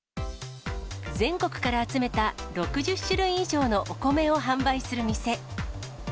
全国から集めた６０種類以上のお米を販売する店。